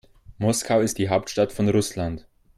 Moskau ist die Hauptstadt von Russland.